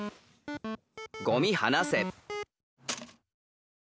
「ゴミはなせ」。